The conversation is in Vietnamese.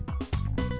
đây là nhưngeling